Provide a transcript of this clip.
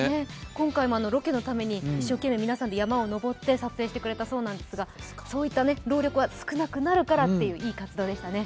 今回もロケのために一生懸命皆さんで山を登って撮影してくれたそうなんですがそういった労力が少なくなるからという、いい活動でしたね。